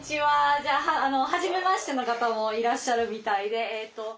じゃあはじめましての方もいらっしゃるみたいで。